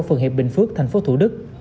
ở phường hiệp bình phước tp thủ đức